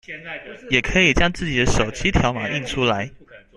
也可以將自己的手機條碼印出來